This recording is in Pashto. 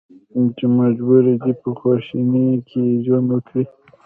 چې مجبور دي په خوشبینۍ کې ژوند وکړي.